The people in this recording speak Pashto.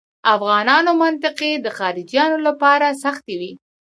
افغانانو منطقې د خارجیانو لپاره سختې وې.